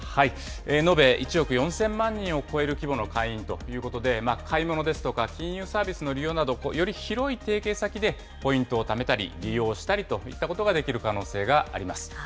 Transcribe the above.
延べ１億４０００万人を超える規模の会員ということで、買い物ですとか金融サービスの利用など、より広い提携先でポイントをためたり、利用したりといったことができる可能性があります。